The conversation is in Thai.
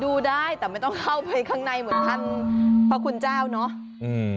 ดูได้แต่ไม่ต้องเข้าไปข้างในเหมือนท่านพระคุณเจ้าเนอะอืม